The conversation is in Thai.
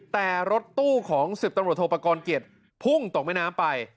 แต่รถตู้ของ๑๐ตำรวจโทปกรณ์เกียรติพุ่งตกแม่น้ำไป